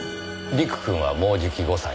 陸くんはもうじき５歳。